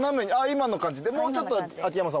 今の感じでもうちょっと秋山さん